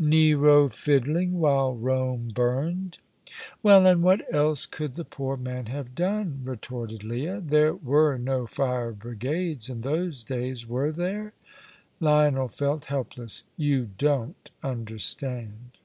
"Nero fiddling, while Rome burned." "Well, and what else could the poor man have done?" retorted Leah. "There were no fire brigades in those days, were there?" Lionel felt helpless. "You don't understand!"